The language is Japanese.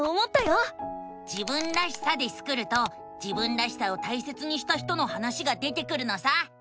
「自分らしさ」でスクると自分らしさを大切にした人の話が出てくるのさ！